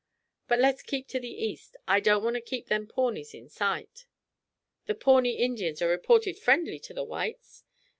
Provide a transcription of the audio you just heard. But let's keep to the east; I don't want to keep them Pawnees in sight." "The Pawnee Indians are reported friendly to the whites."